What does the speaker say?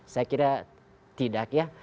saya kira tidak ya